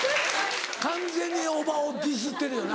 完全に叔母をディスってるよな。